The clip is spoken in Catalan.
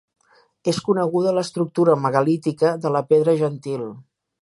És coneguda l'estructura megalítica de la Pedra Gentil.